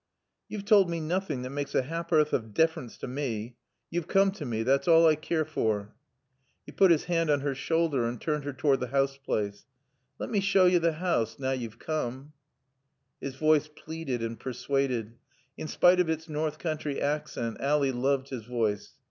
"Yo've toald mae noothin' that makes a hap'orth o' difference to mae. Yo've coom to mae. Thot's all I keer for." He put his hand on her shoulder and turned her toward the house place. "Let me shaw yo t' house now you've coom." His voice pleaded and persuaded. In spite of its north country accent Ally loved his voice.